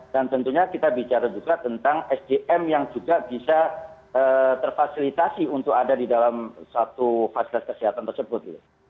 dan tentunya kita bicara juga tentang sdm yang juga bisa terfasilitasi untuk ada di dalam satu fasilitas kesehatan tersebut